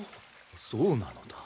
そうなのだ